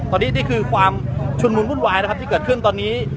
ที่คือความชุดมุมบุญวายที่เกิดขึ้นตอนนี้